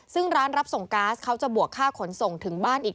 ซึ่งร้านรับส่งก๊าซเขาจะบวกค่าขนส่งถึงบ้านอีก